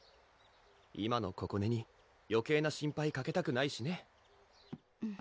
今のここねによけいな心配かけたくないしね